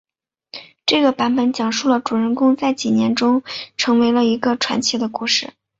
这个版本讲述了主人公在几年中成为了一个传奇的故事。